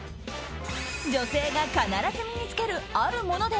女性が必ず身に着けるあるもので